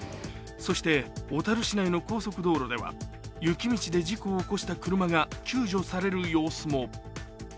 そして、小樽市内の高速道路では雪道で事故を起こした車が救助される様子も。